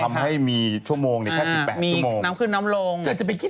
ทำให้มีชั่วโมงแค่๑๘ชั่วโมง